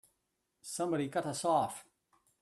Somebody cut us off!